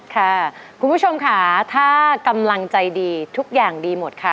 ค่ะคุณผู้ชมค่ะถ้ากำลังใจดีทุกอย่างดีหมดค่ะ